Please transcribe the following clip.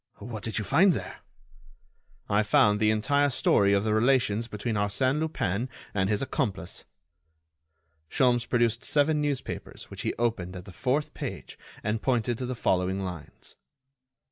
"What did you find there?" "I found the entire story of the relations between Arsène Lupin and his accomplice." Sholmes produced seven newspapers which he opened at the fourth page and pointed to the following lines: 1.